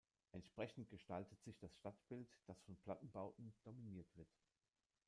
Entsprechend gestaltet sich das Stadtbild, das von Plattenbauten dominiert wird.